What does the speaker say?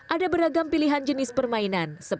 ada beragam pilihan jenis permainan